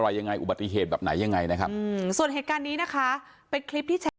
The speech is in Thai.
ว่าพ่อมาหาพ่อมาหาประมาณนี้